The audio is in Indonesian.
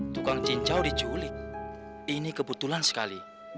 tukang cincau diculik ini kebetulan sekali